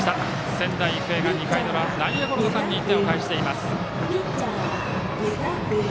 仙台育英が２回の裏内野ゴロの間に１点を返しています。